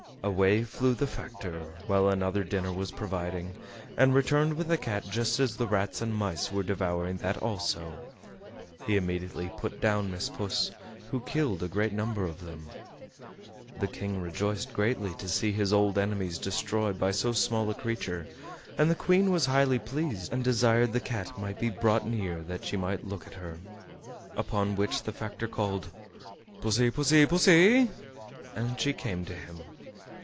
Away flew the factor, while another dinner was providing, and returned with the cat just as the rats and mice were devouring that also. He immediately put down Miss Puss, who killed a great number of them. The King rejoiced greatly to see his old enemies destroyed by so small a creature, and the Queen was highly pleased, and desired the cat might be brought near that she might look at her. Upon which the factor called "Pussy, pussy, pussy!" and she came to him.